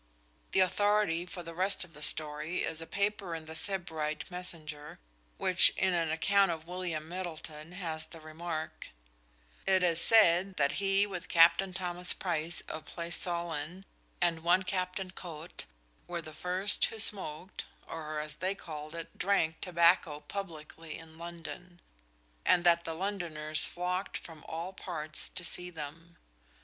The authority for the rest of the story is a paper in the Sebright MSS., which, in an account of William Middleton, has the remark: "It is sayed, that he, with Captain Thomas Price of Plâsyollin and one Captain Koet, were the first who smoked, or (as they called it) drank tobacco publickly in London; and that the Londoners flocked from all parts to see them."